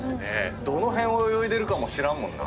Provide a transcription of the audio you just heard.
どの辺泳いでるかも知らんもんな。